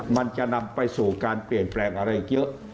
มันจะนำไปสู่การเปลี่ยนแปลงอะไรเยอะ